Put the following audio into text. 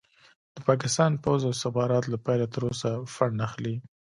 د پاکستان پوځ او استخبارات له پيله تر اوسه فنډ اخلي.